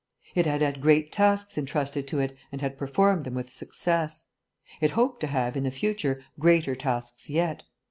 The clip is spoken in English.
It had had great tasks entrusted to it and had performed them with success. It hoped to have, in the future, greater tasks yet